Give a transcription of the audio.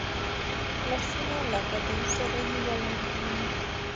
لاسونه له بدن سره یووالی لري